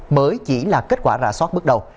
mới chỉ là kết quả rạ soát bước đầu